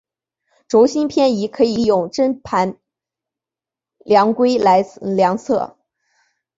轴心偏移可以利用针盘量规来量测。